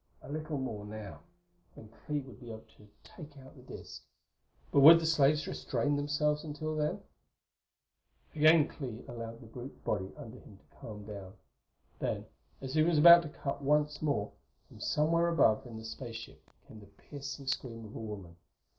A little more, now; and Clee would be able to take the disk out; but would the slaves restrain themselves until then? Again Clee allowed the brute body under him to calm down. Then, as he was about to cut once more, from somewhere above in the space ship came the piercing scream of a woman.